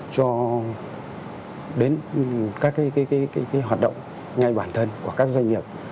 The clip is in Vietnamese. cho đến các hoạt động ngay bản thân của các doanh nghiệp